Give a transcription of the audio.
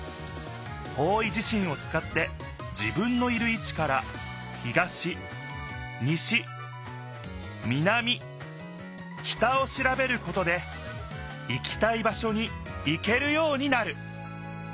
方位じしんをつかって自分のいるいちから東西南北をしらべることで行きたい場しょに行けるようになる！